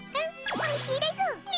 おいしいです！ね！